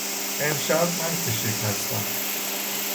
امشب من کشیک هستم.